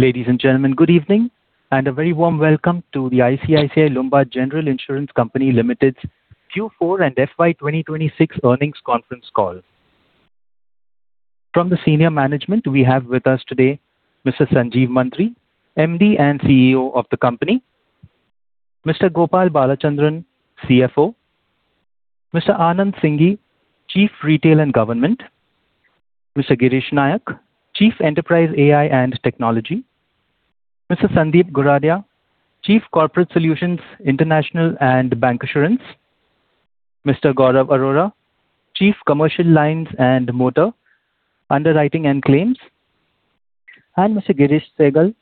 Ladies and gentlemen, good evening, and a very warm welcome to the ICICI Lombard General Insurance Company Limited Q4 and FY 2026 earnings conference call. From the senior management, we have with us today Mr. Sanjeev Mantri, MD and CEO of the company. Mr. Gopal Balachandran, CFO. Mr. Anand Singhi, Chief, Retail and Government. Mr. Girish Nayak, Chief, Enterprise AI and Technology. Mr. Sandeep Goradia, Chief, Corporate Solutions, International and Bank Assurance. Mr. Gaurav Arora, Chief, Commercial Lines and Motor, Underwriting and Claims. And Mr. Girish Sehgal,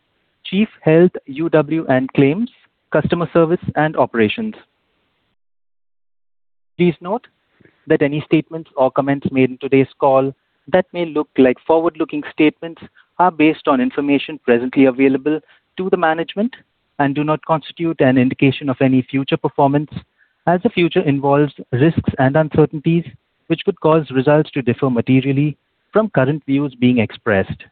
Chief, Health, UW and Claims, Customer Service and Operations. Please note that any statements or comments made in today's call that may look like forward-looking statements are based on information presently available to the Management and do not constitute an indication of any future performance, as the future involves risks and uncertainties which could cause results to differ materially from current views being expressed.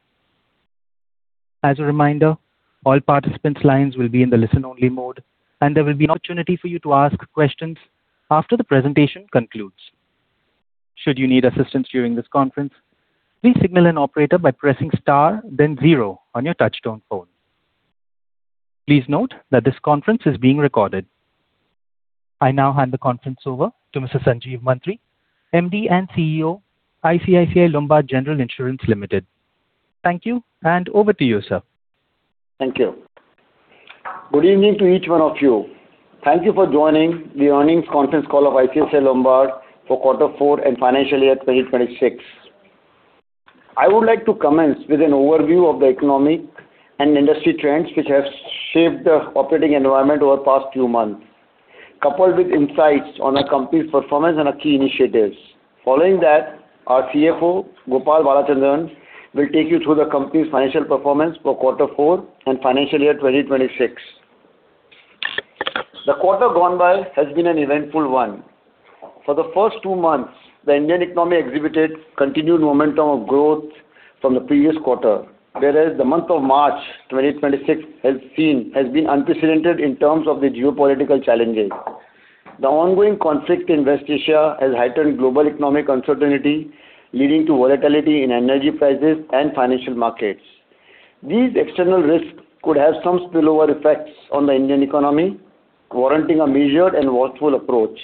As a reminder, all participants' lines will be in the listen-only mode, and there will be an opportunity for you to ask questions after the presentation concludes. Should you need assistance during this conference, please signal an operator by pressing * then 0 on your touchtone phone. Please note that this conference is being recorded. I now hand the conference over to Mr. Sanjeev Mantri, MD and CEO, ICICI Lombard General Insurance Limited. Thank you, and over to you, sir. Thank you. Good evening to each one of you. Thank you for joining the earnings conference call of ICICI Lombard for Quarter Four and Financial Year 2026. I would like to commence with an overview of the economic and industry trends which have shaped the operating environment over the past few months, coupled with insights on our company's performance and our key initiatives. Following that, our CFO, Gopal Balachandran, will take you through the company's financial performance for Quarter Four and Financial Year 2026. The quarter gone by has been an eventful one. For the first two months, the Indian economy exhibited continued momentum of growth from the previous quarter, whereas the month of March 2026 has been unprecedented in terms of the geopolitical challenges. The ongoing conflict in West Asia has heightened global economic uncertainty, leading to volatility in energy prices and financial markets. These external risks could have some spillover effects on the Indian economy, warranting a measured and watchful approach.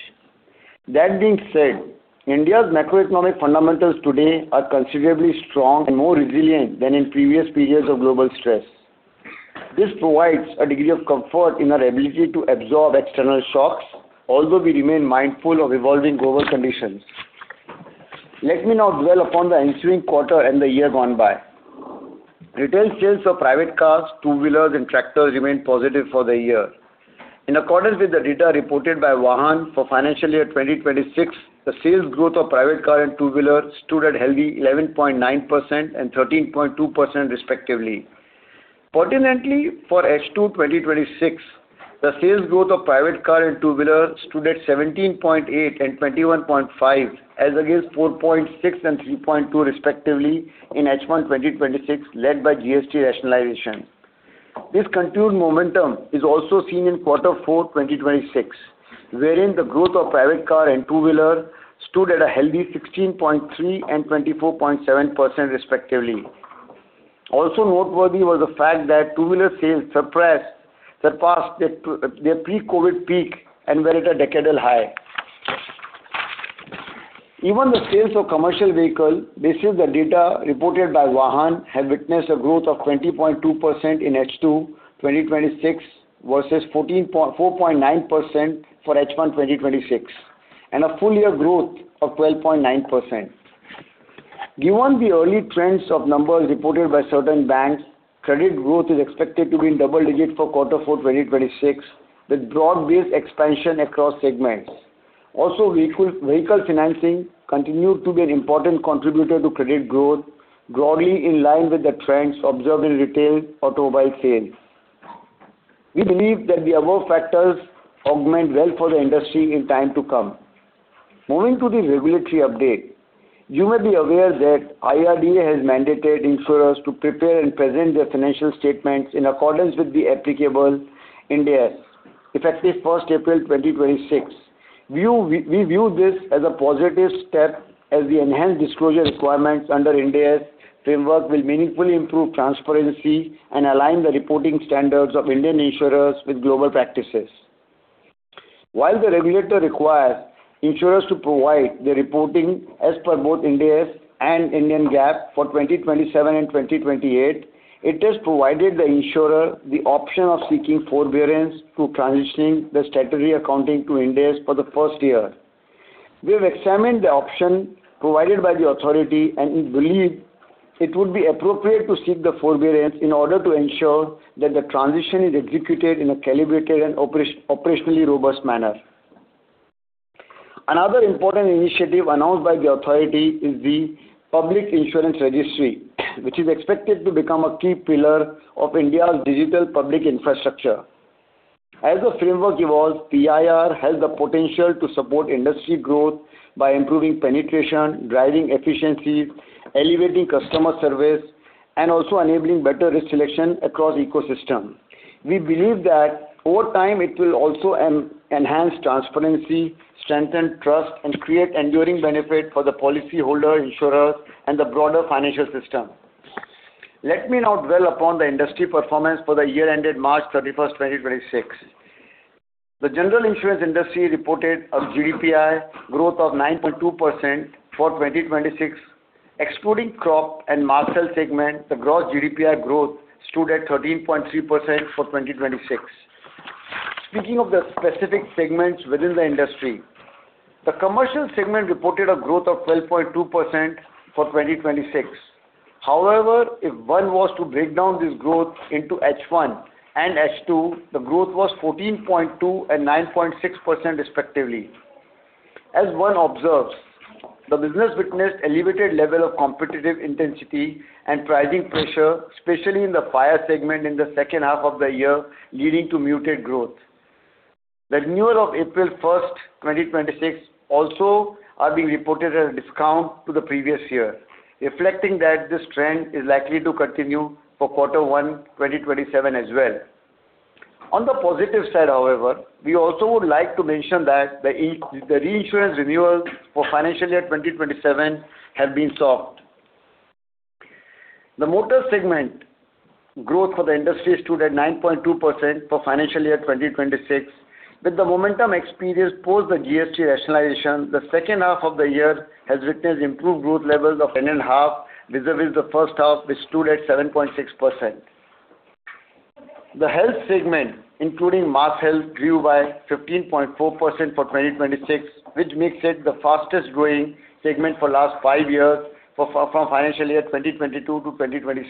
That being said, India's macroeconomic fundamentals today are considerably strong and more resilient than in previous periods of global stress. This provides a degree of comfort in our ability to absorb external shocks, although we remain mindful of evolving global conditions. Let me now dwell upon the ensuing quarter and the year gone by. Retail sales for private cars, two-wheelers, and tractors remained positive for the year. In accordance with the data reported by Vahan for financial year 2026, the sales growth of private car and two-wheeler stood at healthy 11.9% and 13.2% respectively. Pertinently, for H2 2026, the sales growth of private car and two-wheeler stood at 17.8% and 21.5%, as against 4.6% and 3.2% respectively in H1 2026, led by GST rationalization. This continued momentum is also seen in Quarter Four 2026, wherein the growth of private car and two-wheeler stood at a healthy 16.3% and 24.7% respectively. Also noteworthy was the fact that two-wheeler sales surpassed their pre-COVID peak and were at a decadal high. Even the sales of commercial vehicles, based on the data reported by Vahan, have witnessed a growth of 20.2% in H2 2026 versus 4.9% for H1 2026, and a full year growth of 12.9%. Given the early trends of numbers reported by certain banks, credit growth is expected to be in double digits for quarter four 2026 with broad-based expansion across segments. Also, vehicle financing continued to be an important contributor to credit growth, broadly in line with the trends observed in retail automobile sales. We believe that the above factors augur well for the industry in time to come. Moving to the regulatory update, you may be aware that IRDAI has mandated insurers to prepare and present their financial statements in accordance with the applicable Ind AS, effective first April 2026. We view this as a positive step as the enhanced disclosure requirements under Ind AS framework will meaningfully improve transparency and align the reporting standards of Indian insurers with global practices. While the regulator requires insurers to provide the reporting as per both Ind AS and Indian GAAP for 2027 and 2028, it has provided the insurer the option of seeking forbearance through transitioning the statutory accounting to Ind AS for the first year. We have examined the option provided by the authority and we believe it would be appropriate to seek the forbearance in order to ensure that the transition is executed in a calibrated and operationally robust manner. Another important initiative announced by the authority is the Public Insurance Registry, which is expected to become a key pillar of India's digital public infrastructure. As the framework evolves, PIR has the potential to support industry growth by improving penetration, driving efficiency, elevating customer service, and also enabling better risk selection across ecosystem. We believe that over time, it will also enhance transparency, strengthen trust, and create enduring benefit for the policyholder, insurer, and the broader financial system. Let me now dwell upon the industry performance for the year ended March 31st, 2026. The general insurance industry reported a GDPI growth of 9.2% for 2026. Excluding crop and mass health segment, the gross GDPI growth stood at 13.3% for 2026. Speaking of the specific segments within the industry, the commercial segment reported a growth of 12.2% for 2026. However, if one was to break down this growth into H1 and H2, the growth was 14.2% and 9.6% respectively. As one observes, the business witnessed elevated level of competitive intensity and pricing pressure, especially in the fire segment in the second half of the year, leading to muted growth. The renewal of April 1st, 2026 also are being reported at a discount to the previous year, reflecting that this trend is likely to continue for quarter one 2027 as well. On the positive side, however, we also would like to mention that the reinsurance renewals for financial year 2027 have been solved. The motor segment growth for the industry stood at 9.2% for financial year 2026. With the momentum experienced post the GST rationalization, the second half of the year has witnessed improved growth levels of 10.5%, vis-à-vis the first half, which stood at 7.6%. The health segment, including mass health, grew by 15.4% for 2026, which makes it the fastest growing segment for last five years from financial year 2022-2026.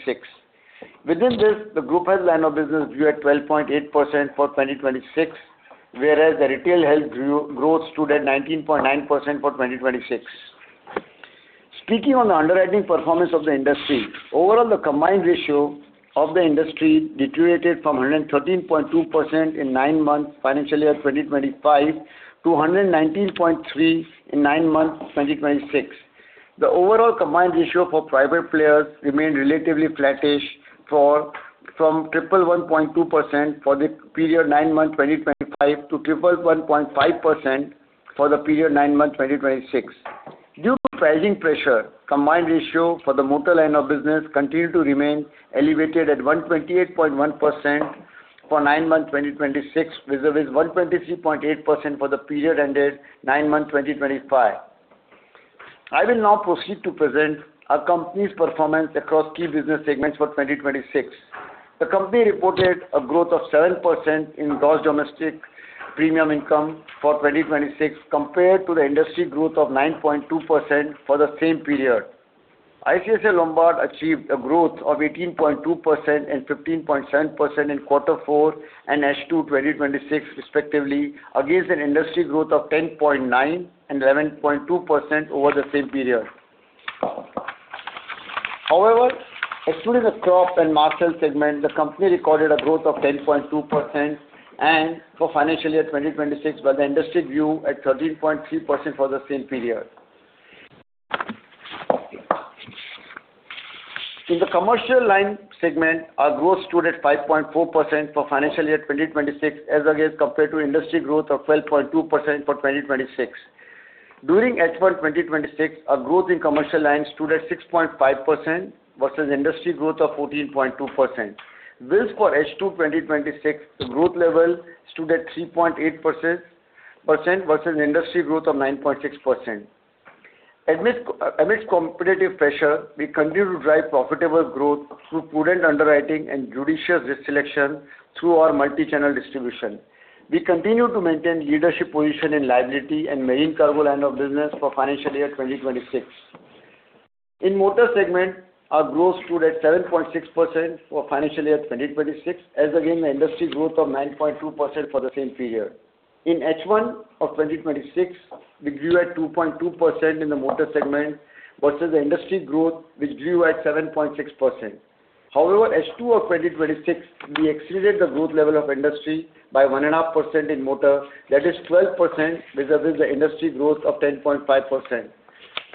Within this, the group health line of business grew at 12.8% for 2026, whereas the retail health growth stood at 19.9% for 2026. Speaking on the underwriting performance of the industry, overall the combined ratio of the industry deteriorated from 113.2% in nine months financial year 2025, to 119.3% in nine months 2026. The overall combined ratio for private players remained relatively flattish from 111.2% for the period nine months 2025, to 111.5% for the period nine months 2026. Due to pricing pressure, combined ratio for the motor line of business continued to remain elevated at 128.1% for nine months 2026, vis-à-vis 123.8% for the period ended nine months 2025. I will now proceed to present our company's performance across key business segments for 2026. The company reported a growth of 7% in gross domestic premium income for 2026, compared to the industry growth of 9.2% for the same period. ICICI Lombard achieved a growth of 18.2% and 15.7% in quarter four and H2 2026, respectively, against an industry growth of 10.9% and 11.2% over the same period. However, excluding the Crop and Mass Health segment, the company recorded a growth of 10.2% and for financial year 2026, while the industry grew at 13.3% for the same period. In the Commercial Lines segment, our growth stood at 5.4% for financial year 2026, compared to industry growth of 12.2% for 2026. During H1 2026, our growth in Commercial Lines stood at 6.5% versus industry growth of 14.2%. Whilst for H2 2026, the growth level stood at 3.8% versus industry growth of 9.6%. Amidst competitive pressure, we continue to drive profitable growth through prudent underwriting and judicious risk selection through our multi-channel distribution. We continue to maintain leadership position in Liability and Marine Cargo line of business for financial year 2026. In Motor segment, our growth stood at 7.6% for financial year 2026, as against the industry growth of 9.2% for the same period. In H1 of 2026, we grew at 2.2% in the Motor segment versus the industry growth which grew at 7.6%. However, H2 of 2026, we exceeded the growth level of industry by 1.5% in Motor, that is 12%, vis-à-vis the industry growth of 10.5%.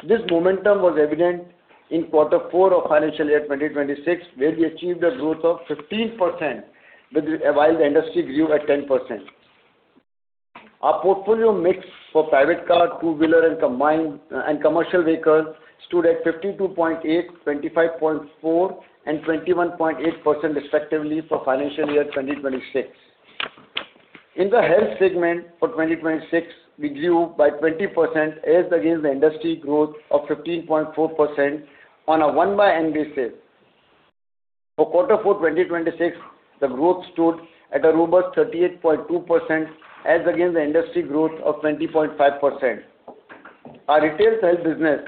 This momentum was evident in quarter 4 of financial year 2026, where we achieved a growth of 15% while the industry grew at 10%. Our portfolio mix for Private Car, Two-Wheeler and Commercial Vehicles stood at 52.8%, 25.4% and 21.8% respectively for financial year 2026. In the health segment for 2026, we grew by 20% as against the industry growth of 15.4% on a one by N basis. For quarter four 2026, the growth stood at a robust 38.2% as against the industry growth of 20.5%. Our retail health business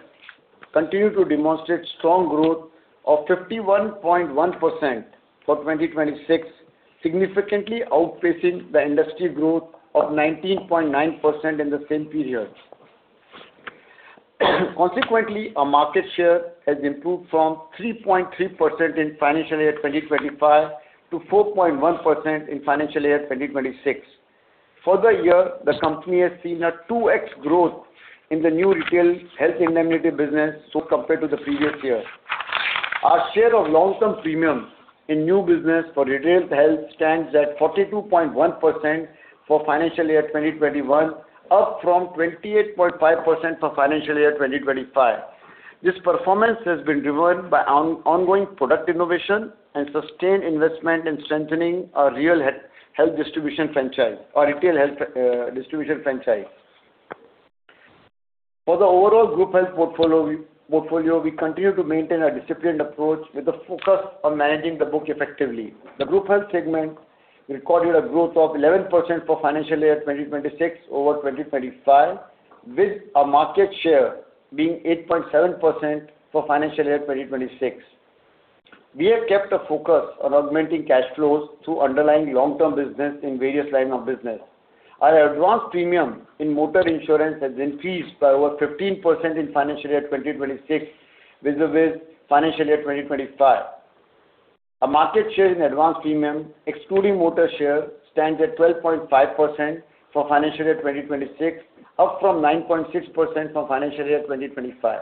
continued to demonstrate strong growth of 51.1% for 2026, significantly outpacing the industry growth of 19.9% in the same period. Consequently, our market share has improved from 3.3% in financial year 2025 to 4.1% in financial year 2026. For the year, the company has seen a 2x growth in the new retail health indemnity business compared to the previous year. Our share of long-term premiums in new business for retail health stands at 42.1% for financial year 2021, up from 28.5% for financial year 2025. This performance has been driven by ongoing product innovation and sustained investment in strengthening our retail health distribution franchise. For the overall group health portfolio, we continue to maintain a disciplined approach with a focus on managing the book effectively. The group health segment recorded a growth of 11% for financial year 2026 over 2025, with our market share being 8.7% for financial year 2026. We have kept a focus on augmenting cash flows through underlying long-term business in various lines of business. Our advanced premium in motor insurance has increased by over 15% in financial year 2026 vis-à-vis financial year 2025. Our market share in advanced premium, excluding motor share, stands at 12.5% for financial year 2026, up from 9.6% for financial year 2025.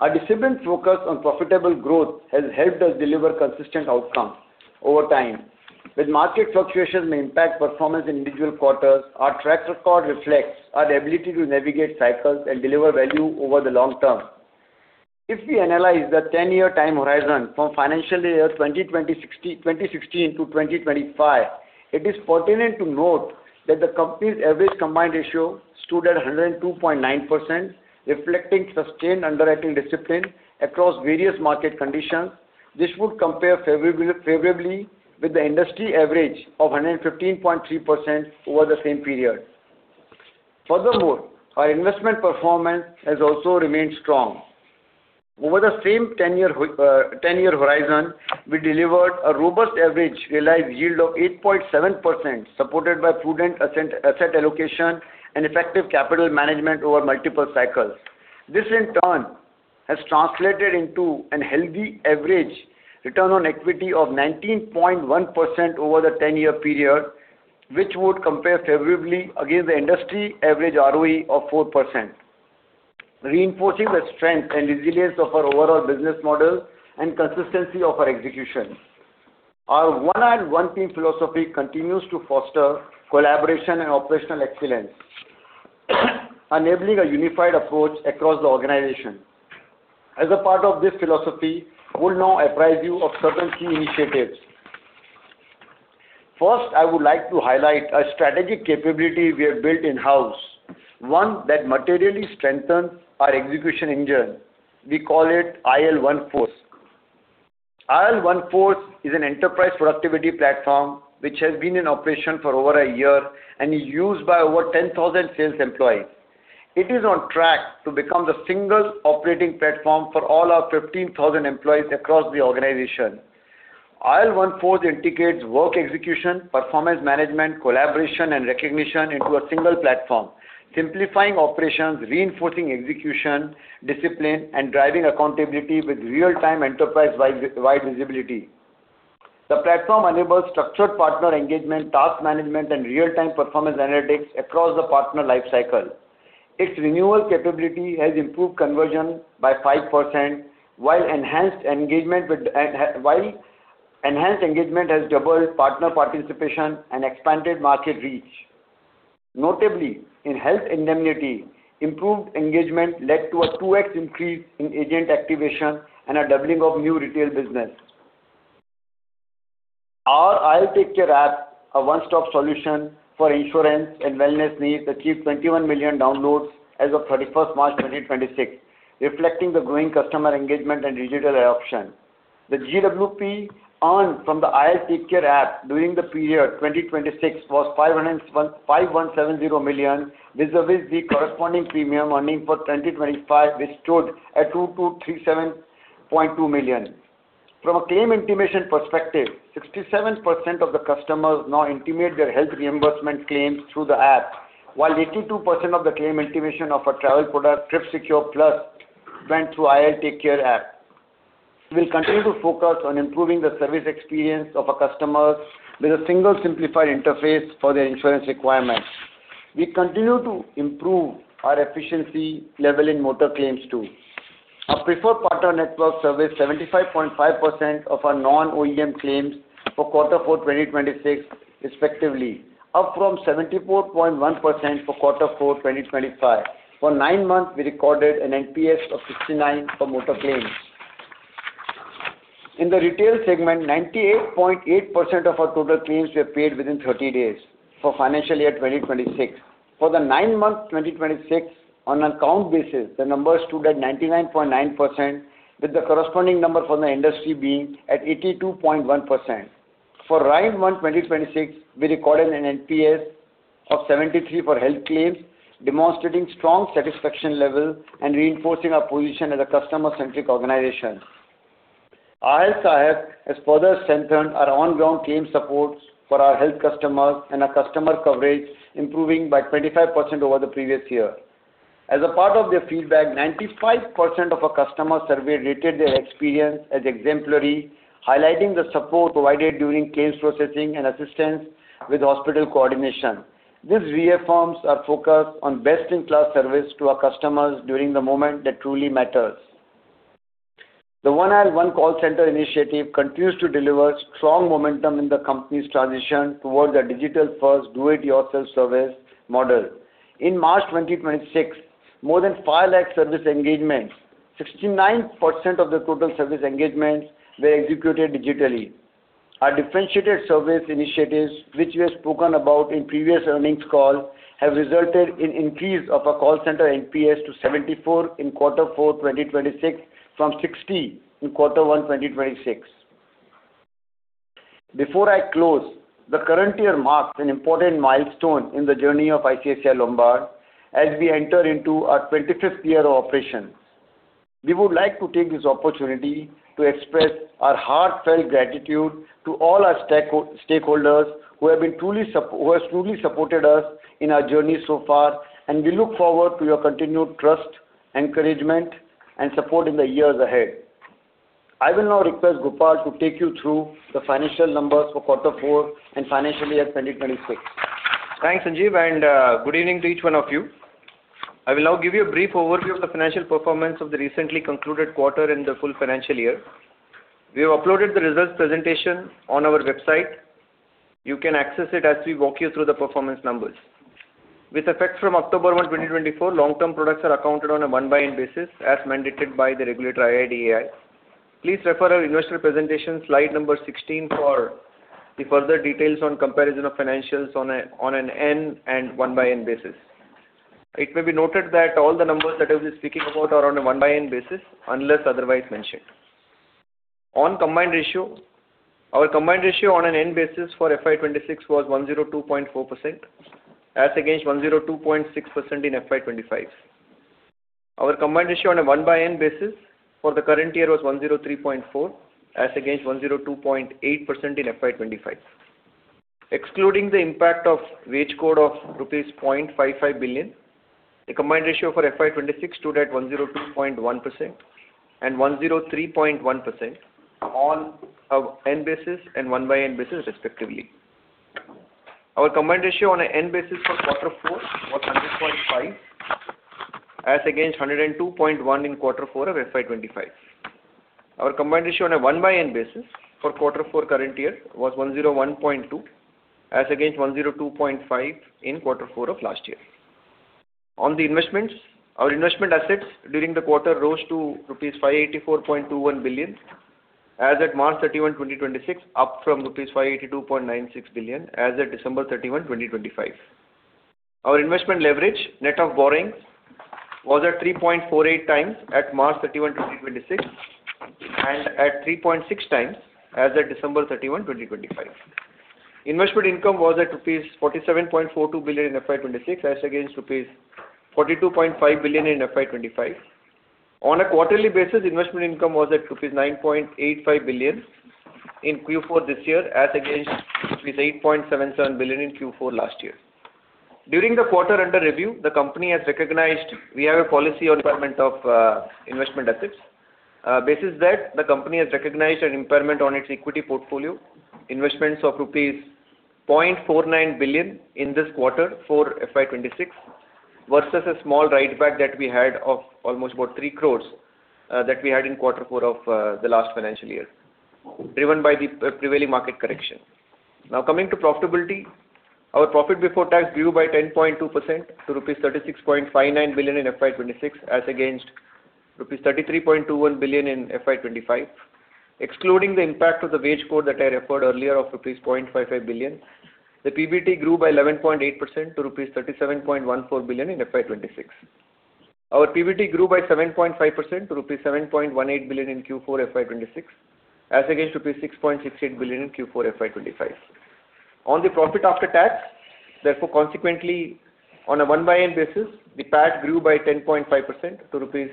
Our disciplined focus on profitable growth has helped us deliver consistent outcomes over time. While market fluctuations may impact performance in individual quarters, our track record reflects our ability to navigate cycles and deliver value over the long term. If we analyze the 10-year time horizon from financial year 2016-2025, it is pertinent to note that the company's average combined ratio stood at 102.9%, reflecting sustained underwriting discipline across various market conditions. This would compare favorably with the industry average of 115.3% over the same period. Furthermore, our investment performance has also remained strong. Over the same 10-year horizon, we delivered a robust average realized yield of 8.7%, supported by prudent asset allocation and effective capital management over multiple cycles. This, in turn, has translated into a healthy average return on equity of 19.1% over the 10-year period, which would compare favorably against the industry average ROE of 4%, reinforcing the strength and resilience of our overall business model and consistency of our execution. Our One IL One Team philosophy continues to foster collaboration and operational excellence, enabling a unified approach across the organization. As a part of this philosophy, I will now apprise you of certain key initiatives. First, I would like to highlight a strategic capability we have built in-house, one that materially strengthens our execution engine. We call it IL OneForce. IL OneForce is an enterprise productivity platform which has been in operation for over a year and is used by over 10,000 sales employees. It is on track to become the single operating platform for all our 15,000 employees across the organization. IL OneForce integrates work execution, performance management, collaboration, and recognition into a single platform, simplifying operations, reinforcing execution discipline, and driving accountability with real-time enterprise-wide visibility. The platform enables structured partner engagement, task management, and real-time performance analytics across the partner life cycle. Its renewal capability has improved conversion by 5%, while enhanced engagement has doubled partner participation and expanded market reach. Notably, in health indemnity, improved engagement led to a 2x increase in agent activation and a doubling of new retail business. Our IL TakeCare app, a one-stop solution for insurance and wellness needs, achieved 21 million downloads as of 31st March 2026, reflecting the growing customer engagement and digital adoption. The GWP earned from the IL TakeCare app during the period 2026 was 5,170 million, vis-à-vis the corresponding premium earning for 2025, which stood at 2,237.2 million. From a claim intimation perspective, 67% of the customers now intimate their health reimbursement claims through the app, while 82% of the claim intimation of our travel product, TripSecure+, went through IL TakeCare app. We will continue to focus on improving the service experience of our customers with a single simplified interface for their insurance requirements. We continue to improve our efficiency level in motor claims, too. Our preferred partner network serviced 75.5% of our non-OEM claims for quarter four 2026 respectively, up from 74.1% for quarter four 2025. For nine months, we recorded an NPS of 69 for motor claims. In the retail segment, 98.8% of our total claims were paid within 30 days for financial year 2026. For the nine months 2026, on a count basis, the number stood at 99.9%, with the corresponding number for the industry being at 82.1%. For nine-month 2026, we recorded an NPS of 73 for health claims, demonstrating strong satisfaction level and reinforcing our position as a customer-centric organization. Aarogya Sahay has further strengthened our on-ground team supports for our health customers and our customer coverage, improving by 25% over the previous year. As a part of their feedback, 95% of our customer survey rated their experience as exemplary, highlighting the support provided during claims processing and assistance with hospital coordination. This reaffirms our focus on best-in-class service to our customers during the moment that truly matters. The One IL One Call Center initiative continues to deliver strong momentum in the company's transition towards a digital-first, do-it-yourself service model. In March 2026, more than 5 lakh service engagements, 69% of the total service engagements, were executed digitally. Our differentiated service initiatives, which we have spoken about in previous earnings call, have resulted in increase of our call center NPS to 74 in quarter four 2026 from 60 in quarter one 2026. Before I close, the current year marks an important milestone in the journey of ICICI Lombard, as we enter into our 25th year of operations. We would like to take this opportunity to express our heartfelt gratitude to all our stakeholders who have truly supported us in our journey so far, and we look forward to your continued trust, encouragement, and support in the years ahead. I will now request Gopal to take you through the financial numbers for quarter four and financial year 2026. Thanks, Sanjeev, and good evening to each one of you. I will now give you a brief overview of the financial performance of the recently concluded quarter in the full financial year. We have uploaded the results presentation on our website. You can access it as we walk you through the performance numbers. With effect from October 1, 2024, long-term products are accounted on a one by N basis as mandated by the regulator IRDAI. Please refer our investor presentation slide number 16 for the further details on comparison of financials on an N and one by N basis. It may be noted that all the numbers that I'll be speaking about are on a one by N basis, unless otherwise mentioned. On combined ratio, our combined ratio on an N basis for FY 2026 was 102.4%, as against 102.6% in FY 2025. Our combined ratio on a one by N basis for the current year was 103.4%, as against 102.8% in FY 2025. Excluding the impact of Wage Code of rupees 0.55 billion, the combined ratio for FY 2026 stood at 102.1% and 103.1% on an N basis and one by N basis respectively. Our combined ratio on an N basis for quarter four was 100.5%, as against 102.1% in quarter four of FY 2025. Our combined ratio on a one by N basis for quarter four current year was 101.2%, as against 102.5% in quarter four of last year. On the investments, our investment assets during the quarter rose to rupees 584.21 billion as at March 31, 2026, up from rupees 582.96 billion as at December 31, 2025. Our investment leverage net of borrowings was at 3.48x at March 31, 2026, and at 3.6x as at December 31, 2025. Investment income was at rupees 47.42 billion in FY 2026, as against rupees 42.5 billion in FY 2025. On a quarterly basis, investment income was at rupees 9.85 billion in Q4 this year, as against rupees 8.77 billion in Q4 last year. During the quarter under review, the company has recognized we have a policy on impairment of investment assets. Basis that, the company has recognized an impairment on its equity portfolio, investments of rupees 0.49 billion in this quarter for FY 2026, versus a small write back that we had of almost about 3 crores, that we had in quarter four of the last financial year, driven by the prevailing market correction. Now coming to profitability. Our profit before tax grew by 10.2% to rupees 36.59 billion in FY 2026, as against rupees 33.21 billion in FY 2025. Excluding the impact of the wage code that I referred earlier of rupees 0.55 billion, the PBT grew by 11.8% to rupees 37.14 billion in FY 2026. Our PBT grew by 7.5% to rupees 7.18 billion in Q4 FY 2026, as against rupees 6.68 billion in Q4 FY 2025. On the profit after tax, therefore, consequently, on a one by N basis, the PAT grew by 10.5% to rupees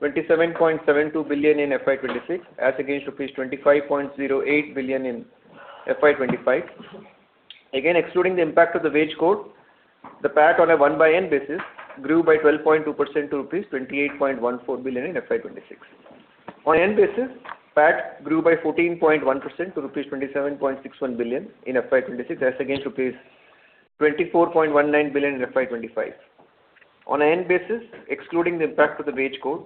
27.72 billion in FY 2026, as against rupees 25.08 billion in FY 2025. Again, excluding the impact of the wage code, the PAT on a one by N basis grew by 12.2% to rupees 28.14 billion in FY 2026. On N basis, PAT grew by 14.1% to rupees 27.61 billion in FY 2026, as against rupees 24.19 billion in FY 2025. On a N basis, excluding the impact of the wage code,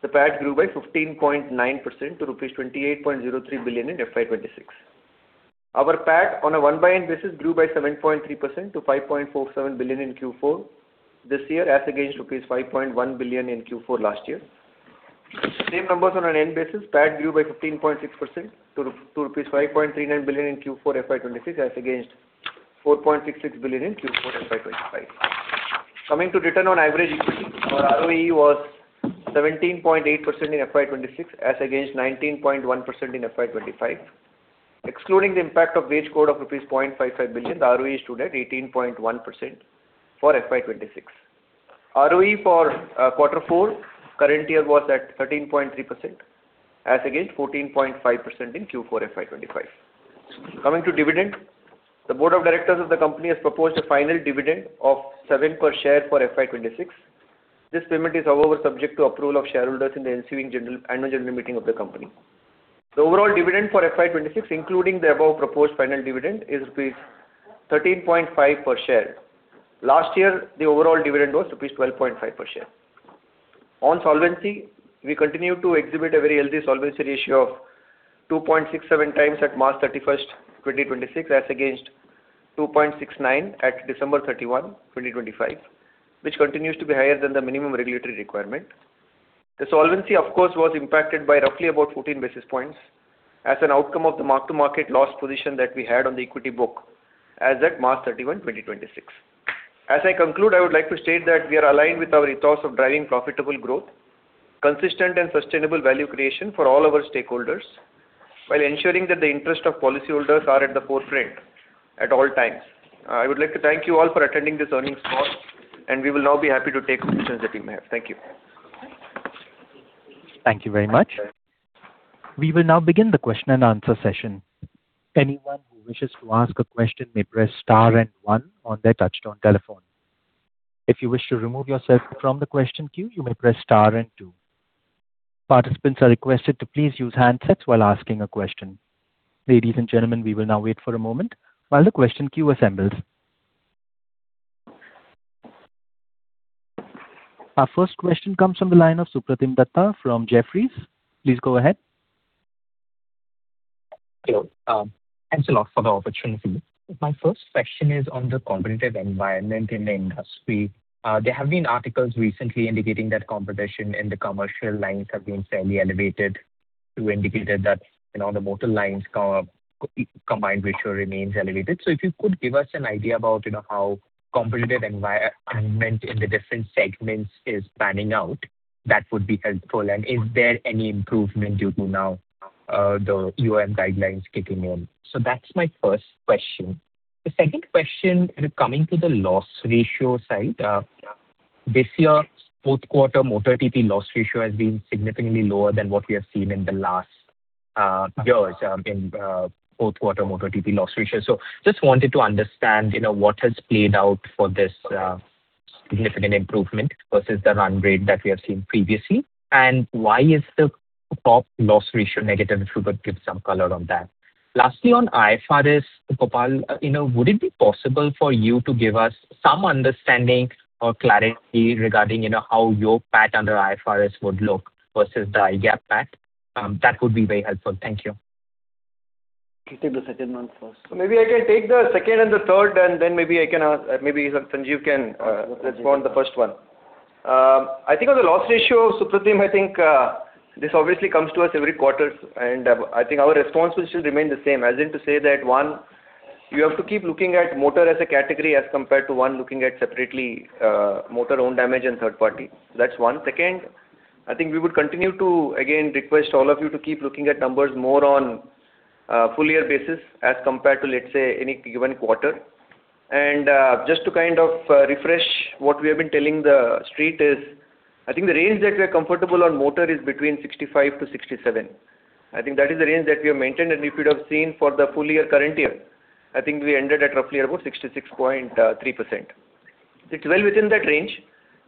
the PAT grew by 15.9% to rupees 28.03 billion in FY 2026. Our PAT on a one by N basis grew by 7.3% to 5.47 billion in Q4 this year, as against rupees 5.1 billion in Q4 last year. Same numbers on an N basis, PAT grew by 15.6% to rupees 5.39 billion in Q4 FY 2026, as against 4.66 billion in Q4 FY 2025. Coming to return on average equity, our ROE was 17.8% in FY 2026 as against 19.1% in FY 2025. Excluding the impact of wage code of 0.55 billion rupees, the ROE stood at 18.1% for FY 2026. ROE for quarter four current year was at 13.3%, as against 14.5% in Q4 FY 2025. Coming to dividend, the Board of Directors of the company has proposed a final dividend of 7 per share for FY 2026. This payment is, however, subject to approval of shareholders in the ensuing Annual General Meeting of the company. The overall dividend for FY 2026, including the above proposed final dividend, is rupees 13.5 per share. Last year, the overall dividend was rupees 12.5 per share. On solvency, we continue to exhibit a very healthy solvency ratio of 2.67 times at March 31st, 2026, as against 2.69 at December 31, 2025, which continues to be higher than the minimum regulatory requirement. The solvency, of course, was impacted by roughly about 14 basis points as an outcome of the mark-to-market loss position that we had on the equity book as at March 31, 2026. As I conclude, I would like to state that we are aligned with our ethos of driving profitable growth, consistent and sustainable value creation for all our stakeholders, while ensuring that the interest of policyholders are at the forefront at all times. I would like to thank you all for attending this earnings call, and we will now be happy to take questions that you may have. Thank you. Thank you very much. We will now begin the question-and-answer session. Anyone who wishes to ask a question may press * and 1 on their touchtone telephone. If you wish to remove yourself from the question queue, you may press * and 2. Participants are requested to please use handsets while asking a question. Ladies and gentlemen, we will now wait for a moment while the question queue assembles. Our first question comes from the line of Supratim Datta from Jefferies. Please go ahead. Hello. Thanks a lot for the opportunity. My first question is on the competitive environment in the industry. There have been articles recently indicating that competition in the commercial lines have been fairly elevated. You indicated that on the motor lines, combined ratio remains elevated. If you could give us an idea about how competitive environment in the different segments is panning out, that would be helpful. Is there any improvement due to now the EOM guidelines kicking in? That's my first question. The second question, coming to the loss ratio side, this year's fourth quarter motor TP loss ratio has been significantly lower than what we have seen in the last years in fourth quarter motor TP loss ratio. I just wanted to understand what has played out for this significant improvement versus the run rate that we have seen previously, and why is the crop loss ratio negative? If you could give some color on that. Lastly, on IFRS, Gopal, would it be possible for you to give us some understanding or clarity regarding how your PAT under IFRS would look versus the GAAP PAT? That would be very helpful. Thank you. You take the second one first. Maybe I can take the second and the third, and then maybe Sanjeev can respond the first one. I think on the loss ratio, Supratim, I think this obviously comes to us every quarter, and I think our response will still remain the same. As in to say that, one, you have to keep looking at motor as a category as compared to one looking at separately motor own damage and third party. That's one. Second, I think we would continue to, again, request all of you to keep looking at numbers more on a full year basis as compared to, let's say, any given quarter. Just to refresh what we have been telling the street is, I think the range that we are comfortable on motor is between 65%-67%. I think that is the range that we have maintained, and if you'd have seen for the full year current year, I think we ended at roughly about 66.3%. It's well within that range.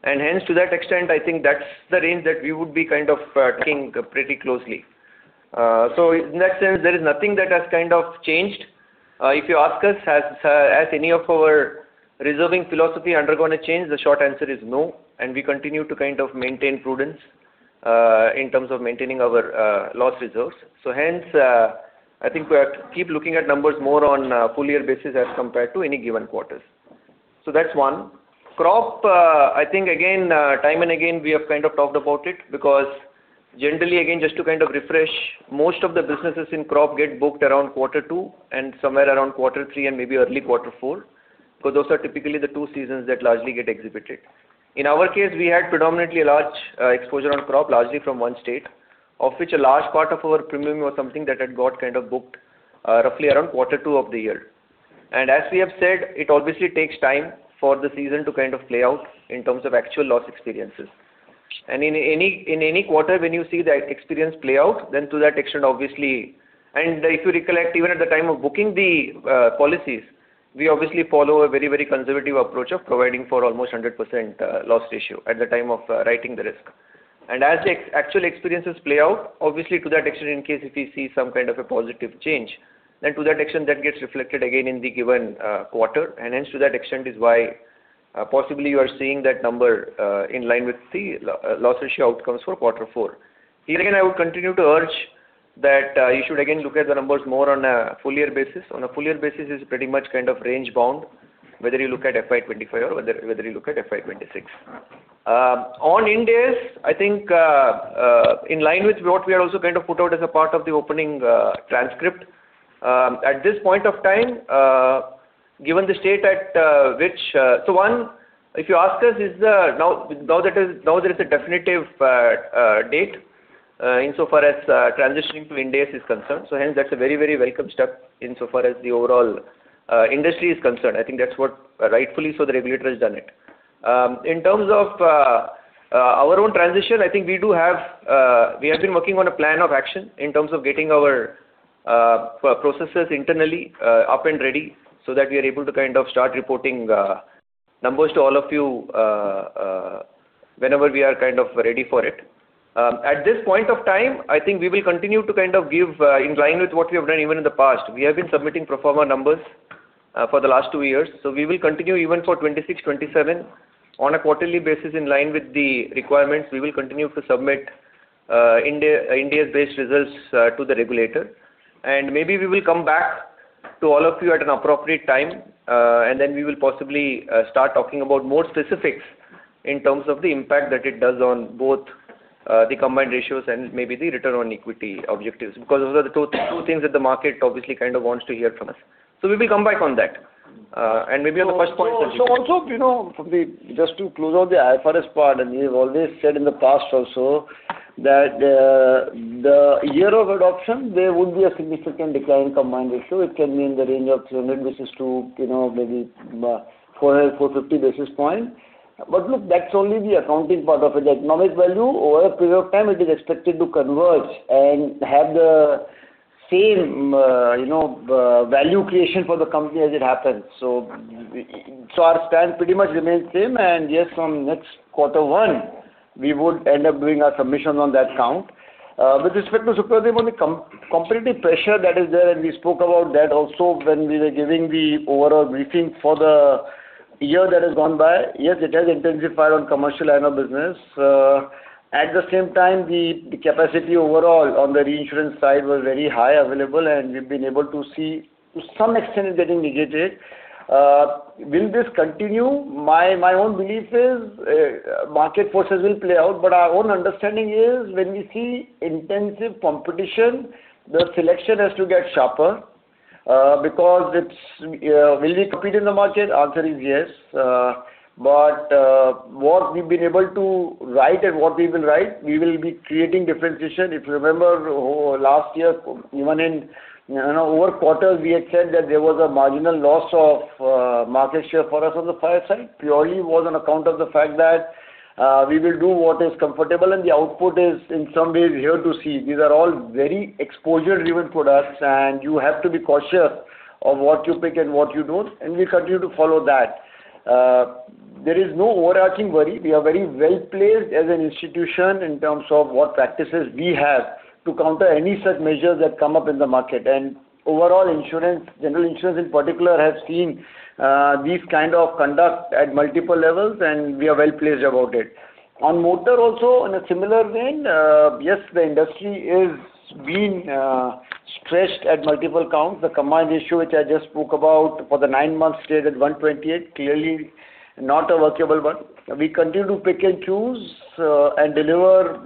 Hence, to that extent, I think that's the range that we would be tracking pretty closely. In that sense, there is nothing that has changed. If you ask us, has any of our reserving philosophy undergone a change, the short answer is no, and we continue to maintain prudence in terms of maintaining our loss reserves. Hence, I think we have to keep looking at numbers more on a full year basis as compared to any given quarters. That's one. Crop, I think again, time and again, we have talked about it because generally, again, just to refresh, most of the businesses in crop get booked around quarter two and somewhere around quarter three and maybe early quarter four, because those are typically the two seasons that largely get exhibited. In our case, we had predominantly a large exposure on crop, largely from one state, of which a large part of our premium was something that had got booked roughly around quarter two of the year. As we have said, it obviously takes time for the season to play out in terms of actual loss experiences. In any quarter, when you see that experience play out, then to that extent, obviously. If you recollect, even at the time of booking the policies, we obviously follow a very conservative approach of providing for almost 100% loss ratio at the time of writing the risk. As the actual experiences play out, obviously to that extent, in case if we see some kind of a positive change, then to that extent, that gets reflected again in the given quarter. Hence to that extent is why possibly you are seeing that number in line with the loss ratio outcomes for quarter four. Here again, I would continue to urge that you should again look at the numbers more on a full year basis. On a full year basis is pretty much range bound, whether you look at FY 2025 or whether you look at FY 2026. On Ind AS, I think in line with what we are also put out as a part of the opening transcript. At this point of time, if you ask us, now there is a definitive date insofar as transitioning to Ind AS is concerned. Hence, that's a very welcome step insofar as the overall industry is concerned. I think that's what, rightfully so, the regulator has done it. In terms of our own transition, I think we have been working on a plan of action in terms of getting our processes internally up and ready so that we are able to start reporting numbers to all of you whenever we are ready for it. At this point of time, I think we will continue to give in line with what we have done even in the past. We have been submitting pro forma numbers for the last two years, so we will continue even for 2026, 2027 on a quarterly basis in line with the requirements. We will continue to submit Ind AS-based results to the regulator. Maybe we will come back to all of you at an appropriate time, and then we will possibly start talking about more specifics in terms of the impact that it does on both the combined ratios and maybe the return on equity objectives, because those are the two things that the market obviously wants to hear from us. We will come back on that and maybe on the first point that you. Also, just to close off the IFRS part, we have always said in the past also that the year of adoption, there would be a significant decline in combined ratio. It can be in the range of 300 basis to maybe 400-450 basis point. Look, that's only the accounting part of it. The economic value over a period of time, it is expected to converge and have the same value creation for the company as it happens. Our stand pretty much remains same. Yes, from next quarter one, we would end up doing our submissions on that count. With respect to Supratim Datta on the competitive pressure that is there, and we spoke about that also when we were giving the overall briefing for the year that has gone by. Yes, it has intensified on commercial line of business. At the same time, the capacity overall on the reinsurance side was very high available, and we've been able to see to some extent it getting negated. Will this continue? My own belief is market forces will play out, but our own understanding is when we see intensive competition, the selection has to get sharper. Will we compete in the market? Answer is yes. What we've been able to write and what we will write, we will be creating differentiation. If you remember last year, even in one quarter, we had said that there was a marginal loss of market share for us on the fire side. Purely was on account of the fact that we will do what is comfortable and the output is in some ways here to see. These are all very exposure-driven products, and you have to be cautious of what you pick and what you don't, and we continue to follow that. There is no overarching worry. We are very well-placed as an institution in terms of what practices we have to counter any such measures that come up in the market. Overall insurance, general insurance in particular, has seen these kind of conduct at multiple levels, and we are well-placed about it. On motor also, in a similar vein, yes, the industry is being stressed at multiple counts. The combined ratio, which I just spoke about for the nine months, stayed at 128%, clearly not a workable one. We continue to pick and choose and deliver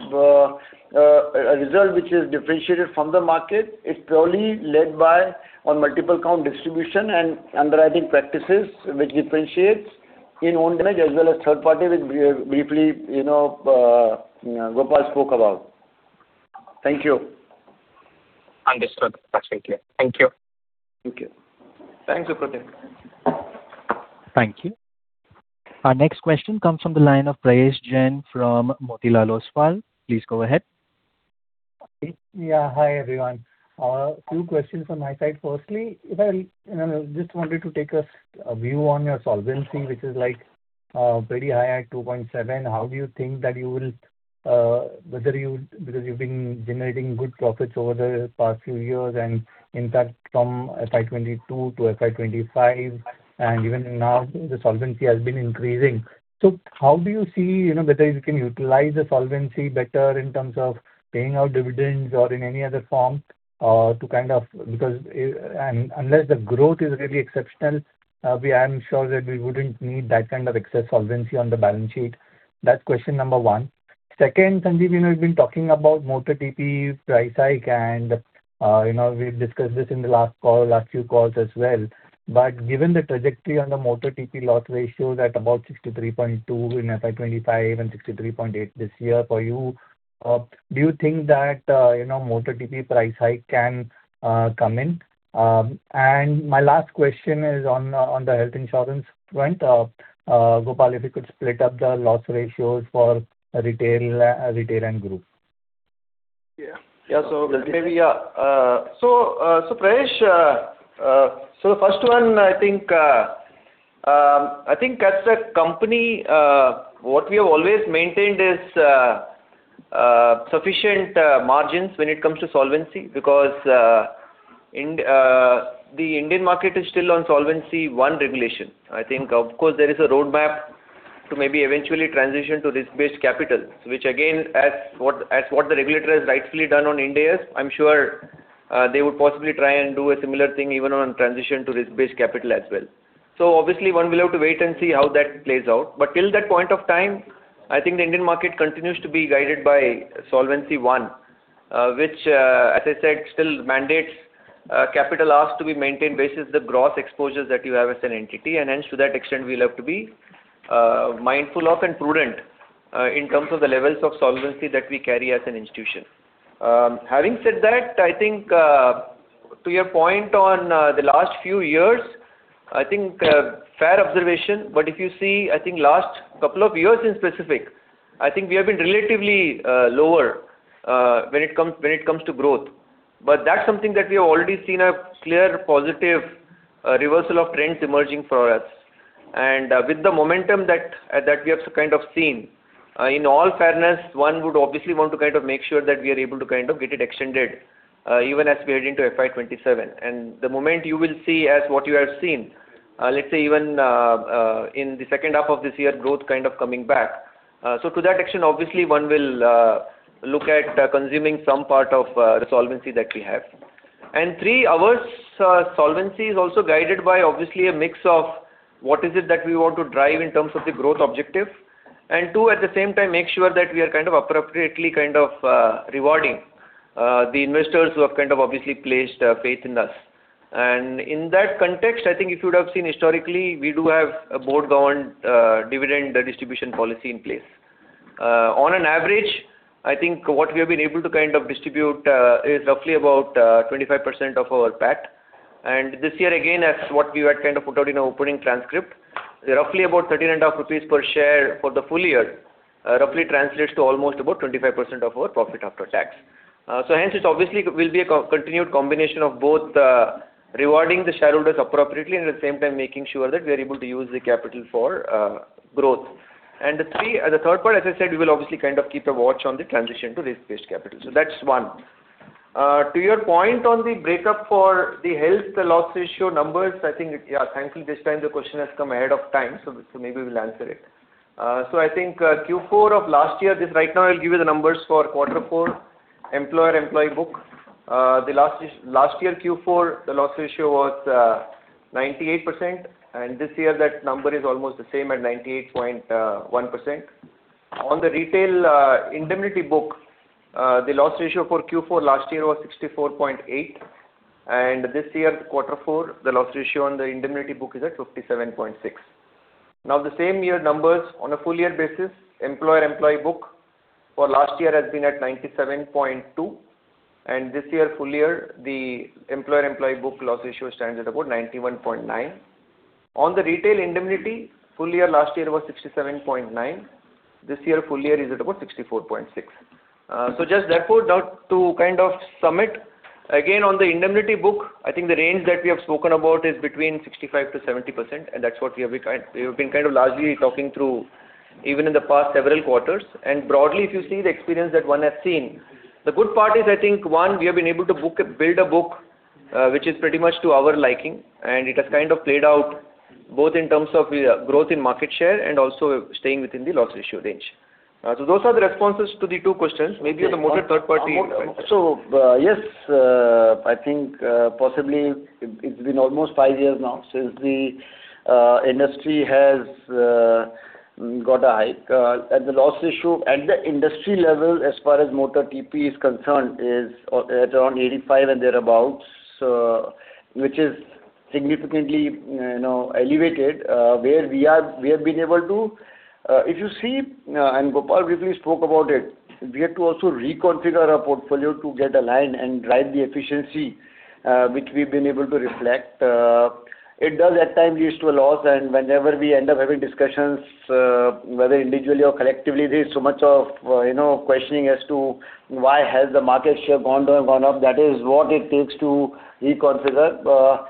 a result which is differentiated from the market. It's purely led by, on multiple count, distribution and underwriting practices, which differentiates in Own Damage as well as Third Party, which briefly Gopal spoke about. Thank you. Understood perfectly. Thank you. Thank you. Thanks, Supratim. Thank you. Our next question comes from the line of Prayesh Jain from Motilal Oswal. Please go ahead. Yeah, hi, everyone. Two questions from my side. Firstly, I just wanted to take a view on your solvency, which is very high at 2.7. Because you've been generating good profits over the past few years, and in fact, from FY 2022-FY 2025, and even now the solvency has been increasing, how do you see whether you can utilize the solvency better in terms of paying out dividends or in any other form? Because unless the growth is really exceptional, I am sure that we wouldn't need that kind of excess solvency on the balance sheet. That's question number one. Second, Sandeep, you've been talking about motor TP price hike, and we've discussed this in the last few calls as well. Given the trajectory on the motor TP loss ratios at about 63.2% in FY 2025 and 63.8% this year for you, do you think that motor TP price hike can come in? My last question is on the health insurance front. Gopal, if you could split up the loss ratios for Retail and Group. Yeah. Paresh, first one, I think as a company, what we have always maintained is sufficient margins when it comes to solvency because the Indian market is still on Solvency I regulation. I think, of course, there is a roadmap to maybe eventually transition to risk-based capital, which again, as what the regulator has rightfully done on Ind AS, I'm sure they would possibly try and do a similar thing even on transition to risk-based capital as well. Obviously, one will have to wait and see how that plays out. Till that point of time, I think the Indian market continues to be guided by Solvency I which, as I said, still mandates capital ask to be maintained versus the gross exposures that you have as an entity, and hence to that extent, we'll have to be mindful of and prudent in terms of the levels of solvency that we carry as an institution. Having said that, I think to your point on the last few years, I think fair observation, but if you see, I think last couple of years in specific, I think we have been relatively lower when it comes to growth. That's something that we have already seen a clear positive reversal of trends emerging for us. With the momentum that we have kind of seen, in all fairness, one would obviously want to make sure that we are able to get it extended even as we head into FY 2027. The moment you will see as what you have seen, let's say even in the second half of this year, growth kind of coming back, so to that extent obviously one will look at consuming some part of the solvency that we have. Three, our solvency is also guided by obviously a mix of what is it that we want to drive in terms of the growth objective and two, at the same time make sure that we are appropriately rewarding the investors who have obviously placed faith in us. In that context, I think if you would have seen historically, we do have a board-governed dividend distribution policy in place. On an average, I think what we have been able to distribute is roughly about 25% of our PAT. This year again, as what we had put out in our opening transcript, roughly about 13.5 rupees per share for the full year roughly translates to almost about 25% of our profit after tax. Hence it obviously will be a continued combination of both rewarding the shareholders appropriately and at the same time making sure that we are able to use the capital for growth. The third part, as I said, we will obviously keep a watch on the transition to risk-based capital. That's one. To your point on the breakup for the health loss ratio numbers, I think, yeah, thankfully this time the question has come ahead of time, so maybe we'll answer it. I think Q4 of last year. Right now I'll give you the numbers for quarter four employer-employee book. Last year Q4, the loss ratio was 98%, and this year that number is almost the same at 98.1%. On the retail indemnity book, the loss ratio for Q4 last year was 64.8%, and this year quarter four, the loss ratio on the indemnity book is at 57.6%. Now the same year numbers on a full-year basis, employer-employee book for last year has been at 97.2%, and this year full year, the employer-employee book loss ratio stands at about 91.9%. On the retail indemnity, full year last year was 67.9%. This year full year is at about 64.6%. Just therefore, to kind of sum it, again on the indemnity book, I think the range that we have spoken about is between 65%-70%, and that's what we have been largely talking through, even in the past several quarters. Broadly if you see the experience that one has seen, the good part is I think, one, we have been able to build a book which is pretty much to our liking, and it has played out both in terms of growth in market share and also staying within the loss ratio range. Those are the responses to the two questions. Maybe on the motor third party. Yes, I think possibly it's been almost five years now since the industry has got a hike. The loss ratio at the industry level as far as motor TP is concerned, is at around 85% and thereabouts, which is significantly elevated. If you see, and Gopal briefly spoke about it, we had to also reconfigure our portfolio to get aligned and drive the efficiency, which we've been able to reflect. It does at times lead to a loss and whenever we end up having discussions, whether individually or collectively, there's so much of questioning as to why has the market share gone down, gone up. That is what it takes to reconfigure.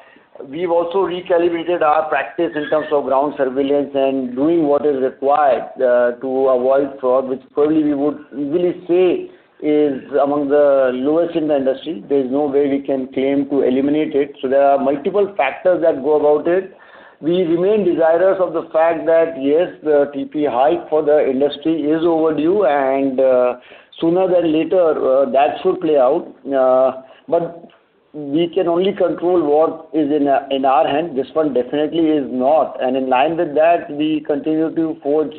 We've also recalibrated our practice in terms of ground surveillance and doing what is required to avoid fraud, which probably we would easily say is among the lowest in the industry. There's no way we can claim to eliminate it. So there are multiple factors that go about it. We remain desirous of the fact that, yes, the TP hike for the industry is overdue and sooner than later, that should play out. But we can only control what is in our hand. This one definitely is not. And in line with that, we continue to forge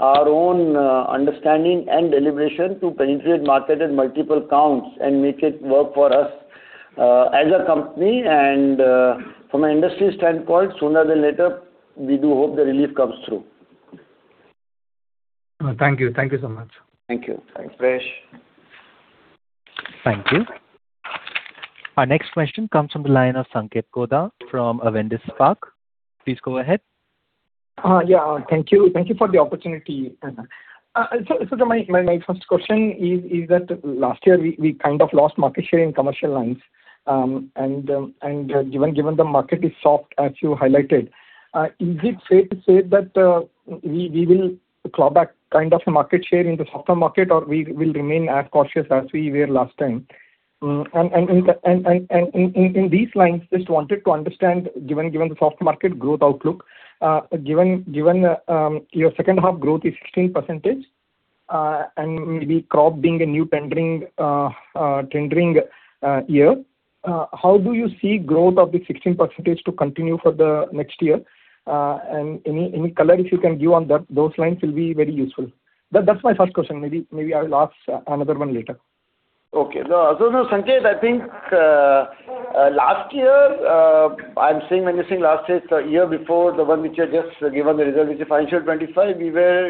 our own understanding and deliberation to penetrate market at multiple counts and make it work for us as a company and from an industry standpoint, sooner than later, we do hope the relief comes through. Thank you. Thank you so much. Thank you. Thanks. Naish. Thank you. Our next question comes from the line of Sanketh Godha from Avendus Spark. Please go ahead. Yeah. Thank you. Thank you for the opportunity. My first question is that last year we kind of lost market share in Commercial Lines. Given the market is soft as you highlighted, is it fair to say that we will claw back market share in the softer market or we will remain as cautious as we were last time? In these lines, just wanted to understand, given the soft market growth outlook, given your second half growth is 16%, and maybe Crop being a new tendering year, how do you see growth of the 16% to continue for the next year? Any color you can give on those lines will be very useful. That's my first question. Maybe I will ask another one later. Okay. Sanketh, I think last year, I'm saying when you're saying last year, it's the year before the one which had just given the result, which is financial 2025,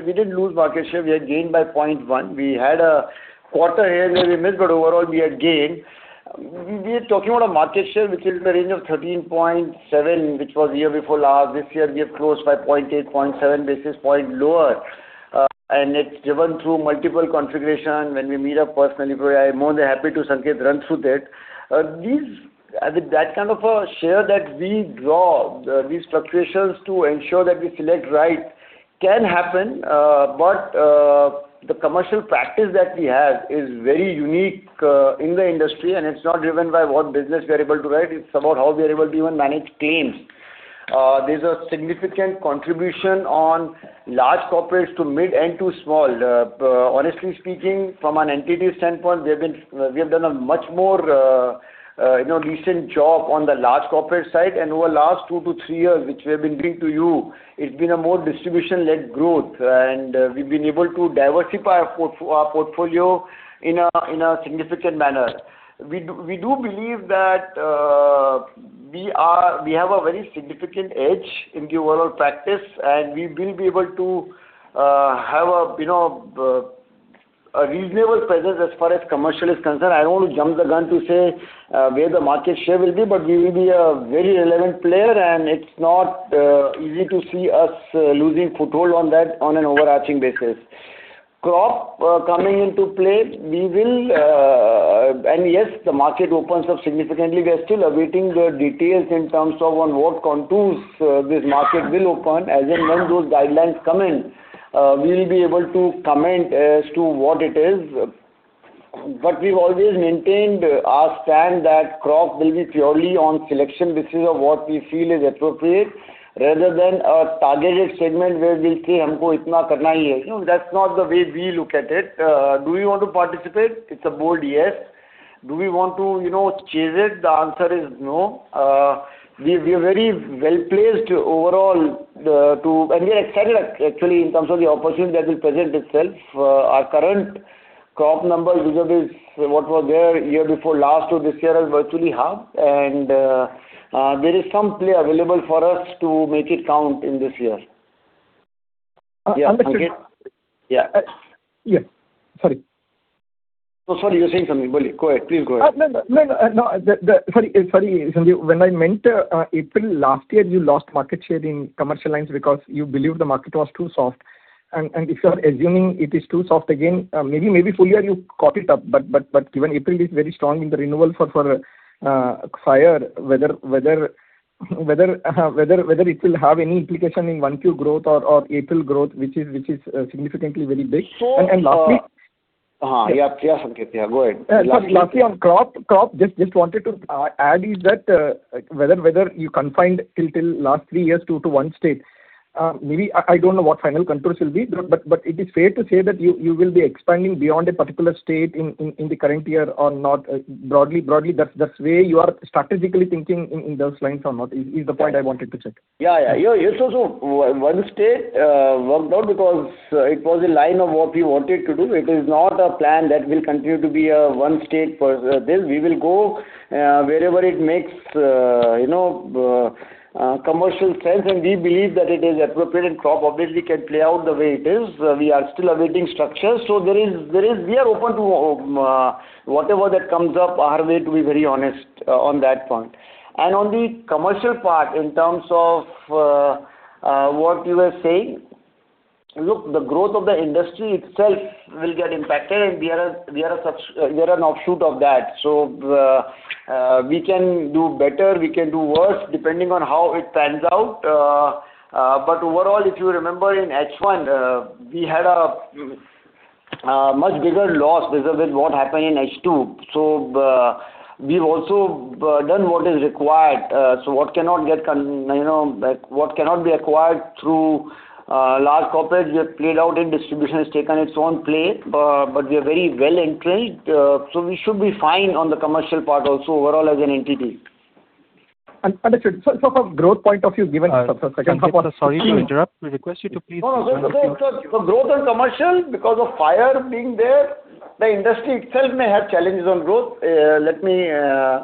we didn't lose market share. We had gained by 0.1%. We had a quarter here where we missed, but overall, we had gained. We're talking about a market share which is in the range of 13.7%, which was year before last. This year we have closed by 0.8, 0.7 basis point lower. It's driven through multiple configuration. When we meet up personally, bro, I'm more than happy to, Sanketh, run through that. That kind of a share that we draw, these fluctuations to ensure that we select right can happen, but the commercial practice that we have is very unique in the industry, and it's not driven by what business we're able to write. It's about how we're able to even manage teams. There's a significant contribution on large corporates to mid and to small. Honestly speaking, from an entity standpoint, we have done a much more decent job on the large corporate side. Over last two to three years, which we have been giving to you, it's been a more distribution-led growth, and we've been able to diversify our portfolio in a significant manner. We do believe that we have a very significant edge in the overall practice, and we will be able to have a reasonable presence as far as commercial is concerned. I don't want to jump the gun to say where the market share will be, but we will be a very relevant player, and it's not easy to see us losing foothold on that on an overarching basis. Crop coming into play, and yes, the market opens up significantly. We are still awaiting the details in terms of on what contours this market will open. As and when those guidelines come in, we'll be able to comment as to what it is. We've always maintained our stand that crop will be purely on selection basis of what we feel is appropriate rather than a targeted segment where we'll say, we have to do this much. That's not the way we look at it. Do we want to participate? It's a bold yes. Do we want to chase it? The answer is no. We are very well-placed overall, and we are excited actually in terms of the opportunity that will present itself. Our current crop numbers vis-a-vis what was there year before last to this year has virtually halved, and there is some play available for us to make it count in this year. Understood. Yeah. Yeah. Sorry. No, sorry, you were saying something. Go ahead. Please go ahead. No. Sorry, Sandeep. When I meant April last year, you lost market share in Commercial Lines because you believed the market was too soft. If you are assuming it is too soft again, maybe full year you caught it up, but given April is very strong in the renewal for Fire, whether it will have any implication in 1Q growth or April growth, which is significantly very big. Lastly. Yeah, Sanketh. Yeah, go ahead. Lastly, on crop, I just wanted to add is that whether you confined till last three years to one state. I don't know what final contours will be, but it is fair to say that you will be expanding beyond a particular state in the current year or not broadly. Whether you are strategically thinking in those lines or not is the point I wanted to check. Yeah. One state worked out because it was in line with what we wanted to do. It is not a plan that will continue to be a one state for this. We will go wherever it makes commercial sense, and we believe that it is appropriate. Crop obviously can play out the way it is. We are still awaiting structures. We are open to whatever that comes up our way, to be very honest on that point. On the commercial part, in terms of what you were saying, look, the growth of the industry itself will get impacted, and we are an offshoot of that. We can do better, we can do worse depending on how it pans out. Overall, if you remember in H1, we had a much bigger loss vis-a-vis what happened in H2. We've also done what is required. What cannot be acquired through large corporates, we have played out and distribution has taken its own play. We are very well entrenched, so we should be fine on the commercial part also overall as an entity. Understood. Sanketh, sorry to interrupt. Growth and Commercial, because of Fire being there, the industry itself may have challenges on growth. Let me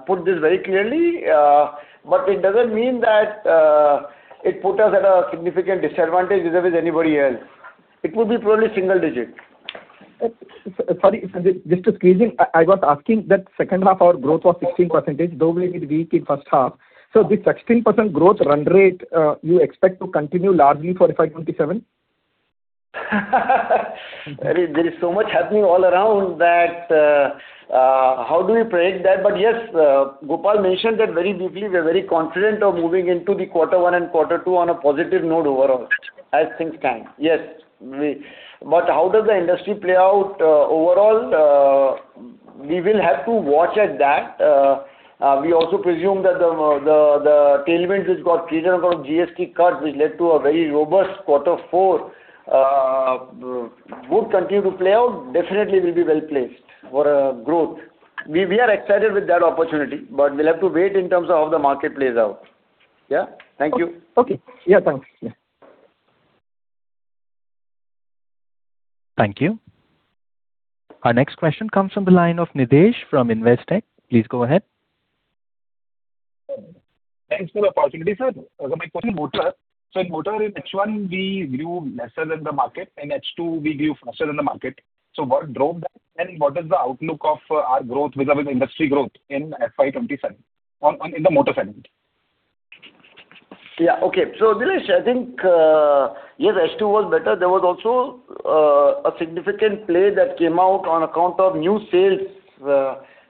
put this very clearly, but it doesn't mean that it put us at a significant disadvantage vis-a-vis anybody else. It would be probably single digit. Sorry, Sandeep. Just to squeeze in. I was asking that second half our growth was 16%, though it was weak in first half. This 16% growth run rate, you expect to continue largely for FY 2027? There is so much happening all around that how do we predict that? Yes, Gopal mentioned that very briefly. We're very confident of moving into the quarter one and quarter two on a positive note overall as things stand. Yes. How does the industry play out overall? We will have to watch at that. We also presume that the tailwinds which got triggered because of GST cut, which led to a very robust quarter four, would continue to play out. Definitely, we'll be well-placed for growth. We are excited with that opportunity, but we'll have to wait in terms of how the market plays out. Yeah. Thank you. Okay. Yeah, thanks. Thank you. Our next question comes from the line of Nidhesh from Investec. Please go ahead. Thanks for the opportunity, sir. My question, motor. In motor, in H1, we grew lesser than the market, in H2, we grew faster than the market. What drove that? What is the outlook of our growth vis-a-vis industry growth in FY 2027 in the motor segment? Yeah. Okay. Nidhesh, I think, yes, H2 was better. There was also a significant play that came out on account of new sales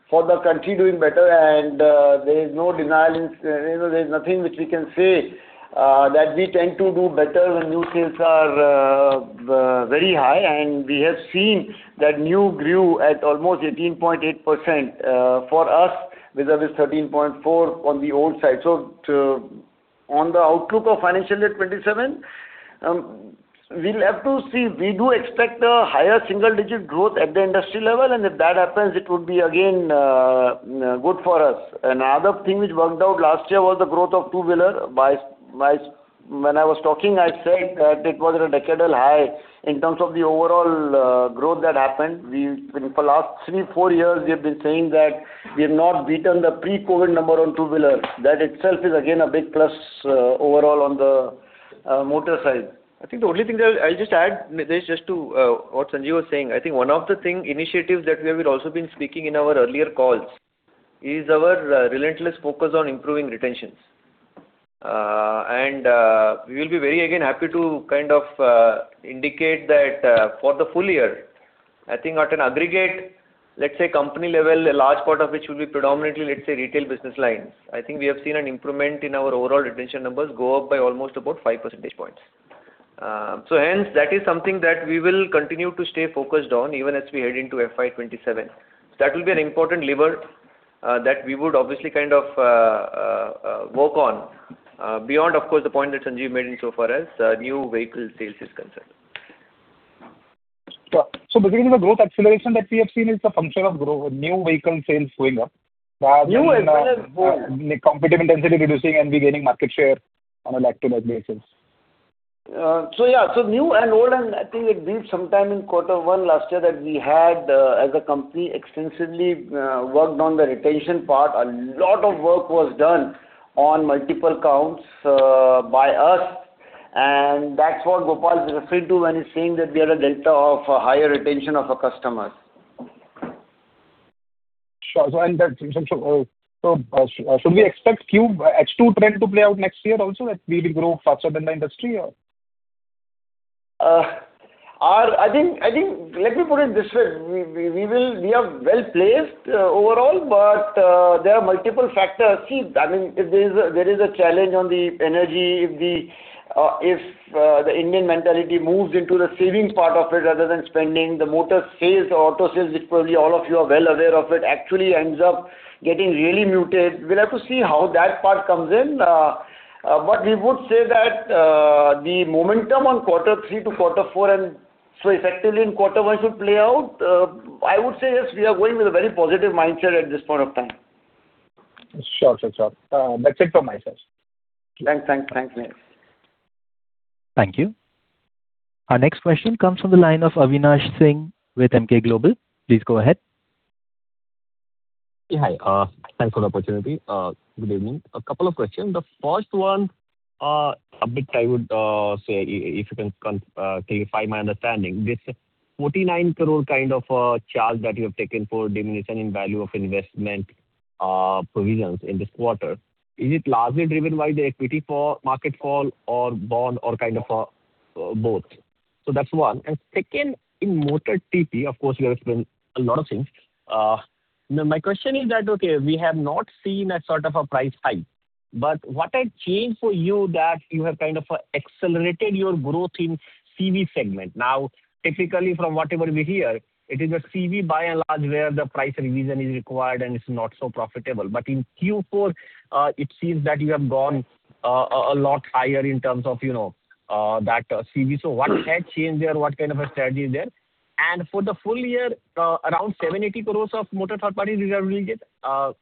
for the country doing better. There is no denial, there's nothing which we can say that we tend to do better when new sales are very high. We have seen that new grew at almost 18.8% for us, vis-a-vis 13.4% on the old side. On the outlook of financial year 2027, we'll have to see. We do expect a higher single-digit growth at the industry level, and if that happens, it would be again good for us. Another thing which worked out last year was the growth of two-wheeler. When I was talking, I said that it was at a decadal high in terms of the overall growth that happened. For the last three, four years, we have been saying that we have not beaten the pre-COVID number on two-wheeler. That itself is again a big plus overall on the motor side. I think the only thing that I'll just add, Nidhesh, just to what Sanjeev was saying, I think one of the initiatives that we have also been speaking in our earlier calls is our relentless focus on improving retentions. We will be very, again, happy to kind of indicate that for the full year, I think at an aggregate, let's say company level, a large part of which will be predominantly, let's say, retail business lines. I think we have seen an improvement in our overall retention numbers go up by almost about 5 percentage points. Hence, that is something that we will continue to stay focused on even as we head into FY 2027. That will be an important lever that we would obviously work on, beyond, of course, the point that Sanjeev made insofar as new vehicle sales is concerned. Basically the growth acceleration that we have seen is a function of new vehicle sales going up. New as well as old. Competitive intensity reducing and we gaining market share on a like-to-like basis. Yeah. New and old, and I think it being sometime in quarter one last year that we had, as a company, extensively worked on the retention part. A lot of work was done on multiple counts by us, and that's what Gopal is referring to when he's saying that we are a delta of a higher retention of our customers. Sure. Should we expect H2 trend to play out next year also that we will grow faster than the industry? Let me put it this way. We are well-placed overall, but there are multiple factors. See, if there is a challenge on the energy, if the Indian mentality moves into the savings part of it rather than spending, the motor sales or auto sales, which probably all of you are well aware of it, actually ends up getting really muted. We'll have to see how that part comes in. We would say that the momentum on quarter three to quarter four and so effectively in quarter one should play out. I would say, yes, we are going with a very positive mindset at this point of time. Sure. That's it from my side. Thanks, Nidhesh. Thank you. Our next question comes from the line of Avinash Singh with Emkay Global. Please go ahead. Hi. Thanks for the opportunity. Good evening. A couple of questions. The first one, a bit I would say, if you can clarify my understanding, this 49 crore kind of a charge that you have taken for diminution in value of investment provisions in this quarter. Is it largely driven by the equity market fall or bond or kind of both? That's one. Second, in motor TP, of course, you have explained a lot of things. My question is that, okay, we have not seen a sort of a price hike, but what has changed for you that you have kind of accelerated your growth in CV segment? Now, typically, from whatever we hear, it is a CV by and large where the price revision is required and it's not so profitable. In Q4, it seems that you have gone a lot higher in terms of that CV. What has changed there? What kind of a strategy is there? For the full year, around 780 crores of motor third party reserve we'll get.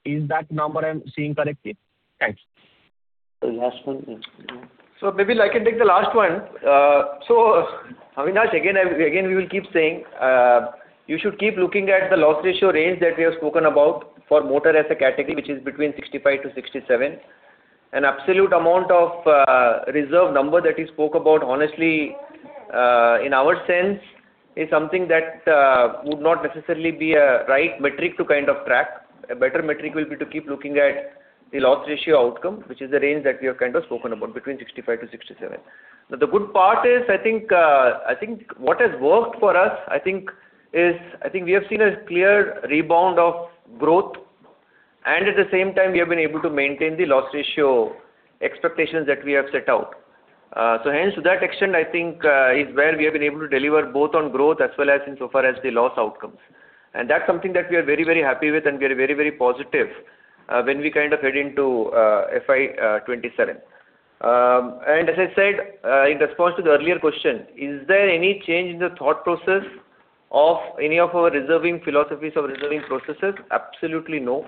Is that number I'm seeing correctly? Thanks. Maybe I can take the last one. Avinash, again, we will keep saying, you should keep looking at the loss ratio range that we have spoken about for motor as a category, which is between 65%-67%. An absolute amount of reserve number that you spoke about, honestly, in our sense, is something that would not necessarily be a right metric to track. A better metric will be to keep looking at the loss ratio outcome, which is the range that we have spoken about between 65%-67%. Now, the good part is, I think what has worked for us, I think we have seen a clear rebound of growth, and at the same time, we have been able to maintain the loss ratio expectations that we have set out. Hence, to that extent, I think is where we have been able to deliver both on growth as well as insofar as the loss outcomes. That's something that we are very happy with and we are very positive when we head into FY 2027. As I said in response to the earlier question, is there any change in the thought process of any of our reserving philosophies or reserving processes? Absolutely no.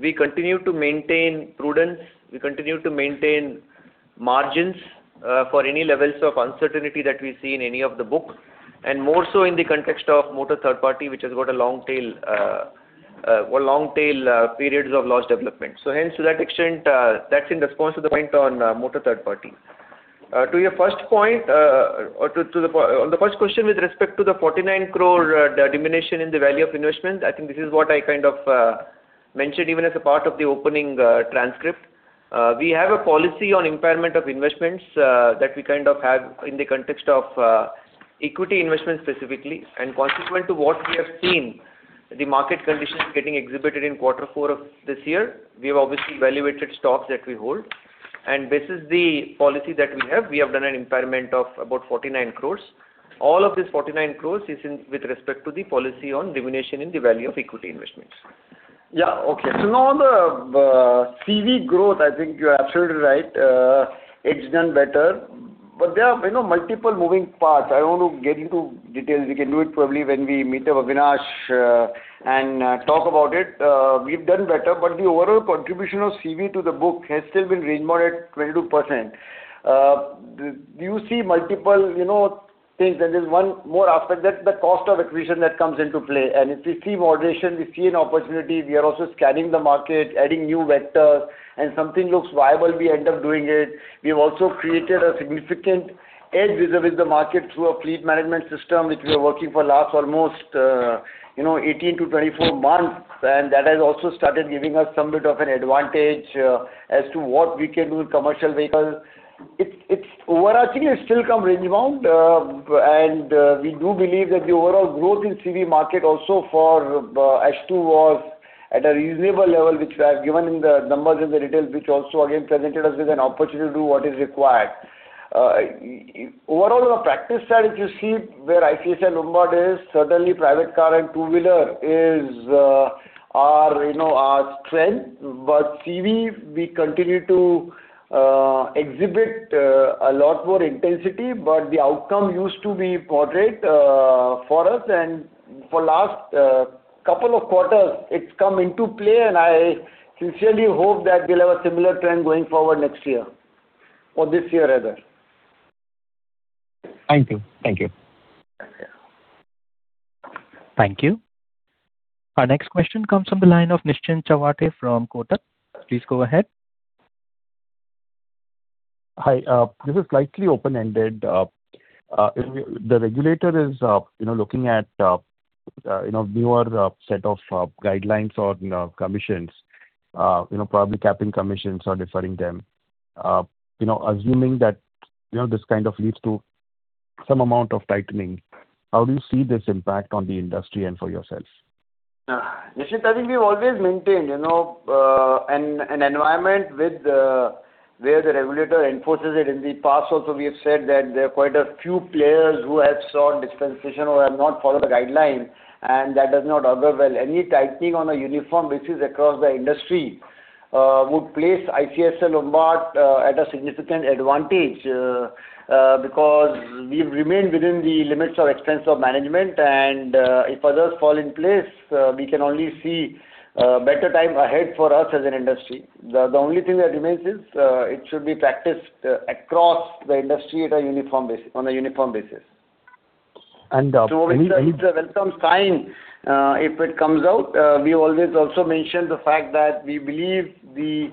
We continue to maintain prudence. We continue to maintain margins for any levels of uncertainty that we see in any of the book, and more so in the context of motor third party, which has got a long-tail periods of loss development. Hence, to that extent, that's in response to the point on motor third party. To your first point, on the first question with respect to the 49 crore diminution in the value of investment, I think this is what I mentioned even as a part of the opening transcript. We have a policy on impairment of investments that we have in the context of equity investment specifically, and consequent to what we have seen, the market conditions getting exhibited in quarter four of this year. We have obviously valuated stocks that we hold, and this is the policy that we have. We have done an impairment of about 49 crores. All of this 49 crores is with respect to the policy on diminution in the value of equity investment. Yeah. Okay. Now on the CV growth, I think you're absolutely right. It's done better, but there are multiple moving parts. I don't want to get into details. We can do it probably when we meet up Avinash and talk about it. We've done better, but the overall contribution of CV to the book has still been range bound at 22%. Do you see multiple things? There is one more aspect. That's the cost of acquisition that comes into play. If we see moderation, we see an opportunity. We are also scanning the market, adding new vectors, and something looks viable, we end up doing it. We've also created a significant edge within the market through a fleet management system, which we are working for last almost 18 months-24 months. That has also started giving us somewhat of an advantage as to what we can do with commercial vehicles. Overarching, it's still come range-bound. We do believe that the overall growth in CV market also for H2 was at a reasonable level, which I have given in the numbers and the details, which also again presented us with an opportunity to do what is required. Overall, on a practice side, if you see where ICICI Lombard is, certainly private car and two-wheeler are our strength. CV, we continue to exhibit a lot more intensity, but the outcome used to be moderate for us. For last couple of quarters, it's come into play and I sincerely hope that we'll have a similar trend going forward next year or this year rather. Thank you. Thank you. Our next question comes from the line of Nischint Chawathe from Kotak. Please go ahead. Hi. This is slightly open-ended. The regulator is looking at newer set of guidelines or commissions, probably capping commissions or deferring them. Assuming that this leads to some amount of tightening, how do you see this impact on the industry and for yourselves? Nischint, I think we've always maintained an environment where the regulator enforces it. In the past also, we have said that there are quite a few players who have sought dispensation or have not followed the guideline, and that does not augur well. Any tightening on a uniform basis across the industry would place ICICI Lombard at a significant advantage, because we've remained within the limits of Expense of Management. If others fall in place, we can only see better time ahead for us as an industry. The only thing that remains is, it should be practiced across the industry on a uniform basis. It's a welcome sign if it comes out. We always also mention the fact that we believe the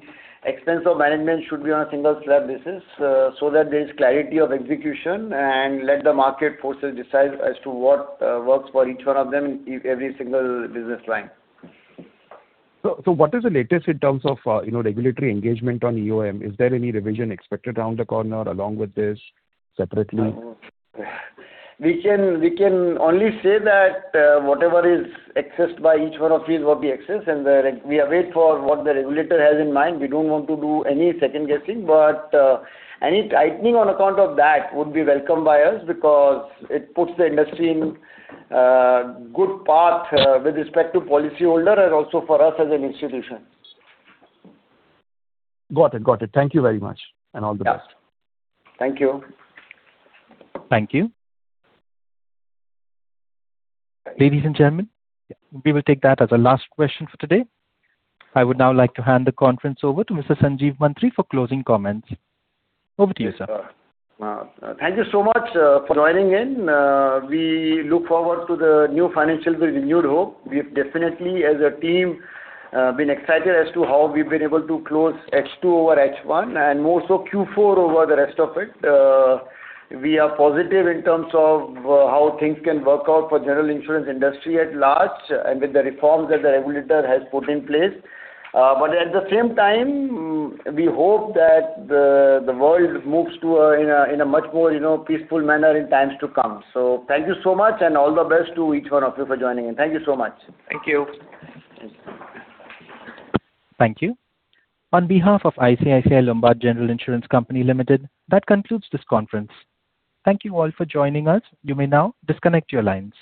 Expense of Management should be on a single slab basis, so that there is clarity of execution and let the market forces decide as to what works for each one of them in every single business line. What is the latest in terms of regulatory engagement on EOM? Is there any revision expected around the corner along with this, separately? We can only say that whatever is accessed by each one of these is what we access, and we await for what the regulator has in mind. We don't want to do any second-guessing. Any tightening on account of that would be welcome by us because it puts the industry in a good path with respect to policyholder and also for us as an institution. Got it. Thank you very much, and all the best. Thank you. Thank you. Ladies and gentlemen, we will take that as our last question for today. I would now like to hand the conference over to Mr. Sanjeev Mantri for closing comments. Over to you, sir. Thank you so much for joining in. We look forward to the new financial with renewed hope. We've definitely, as a team, been excited as to how we've been able to close H2 over H1, and more so Q4 over the rest of it. We are positive in terms of how things can work out for general insurance industry at large, and with the reforms that the regulator has put in place. At the same time, we hope that the world moves in a much more peaceful manner in times to come. Thank you so much, and all the best to each one of you for joining in. Thank you so much. Thank you. Thank you. On behalf of ICICI Lombard General Insurance Company Limited, that concludes this conference. Thank you all for joining us. You may now disconnect your lines.